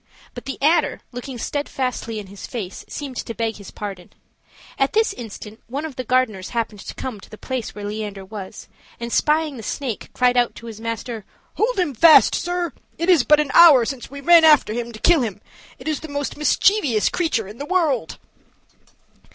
But the adder, looking steadfastly in his face, seemed to beg his pardon. At this instant one of the gardeners happened to come to the place where Leander was, and spying the snake, cried out to his master: "Hold him fast, sir; it is but an hour since we ran after him to kill him: it is the most mischievous creature in the world."